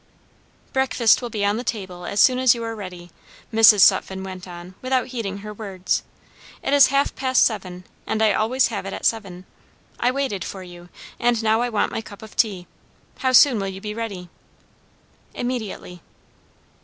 "Breakfast will be on table as soon as you are ready," Mrs. Sutphen went on without heeding her words. "It is half past seven, and I always have it at seven. I waited for you, and now I want my cup of tea. How soon will you be ready?" "Immediately."